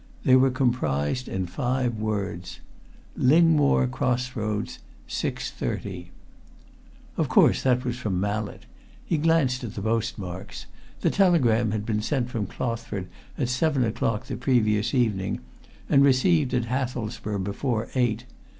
They were comprised in five words: Lingmore Cross Roads six thirty. Of course that was from Mallett. He glanced at the post marks. The telegram had been sent from Clothford at seven o'clock the previous evening, and received at Hathelsborough before eight.